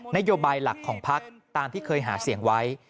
นโยบายหลักของพักตามที่เคยหาเสียงไว้